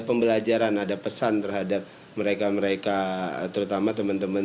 pembelajaran ada pesan terhadap mereka mereka terutama teman teman